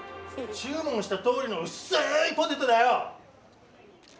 注文したとおりの薄いポテトだよ！